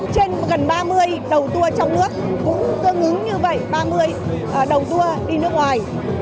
trên gần ba mươi đầu tour trong nước cũng tương ứng như vậy ba mươi đầu tour đi nước ngoài